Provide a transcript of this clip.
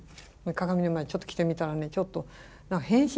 鏡の前でちょっと着てみたらちょっと変身しましたね